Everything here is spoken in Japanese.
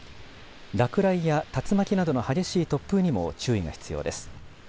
落雷や竜巻などの激しい突風にも注意が必要です。